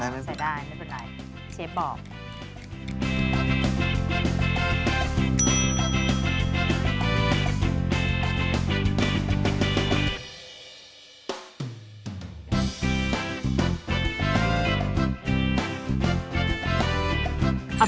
ใส่ได้ไม่เป็นไรเชฟบอก